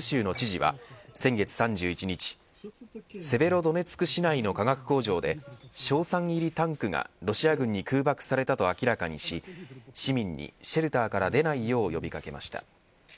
州の知事は先月３１日セベロドネツク市内の化学工場で硝酸入りタンクがロシア軍に空爆されたと明らかにし市民にシェルターから出ないよう呼び掛けました。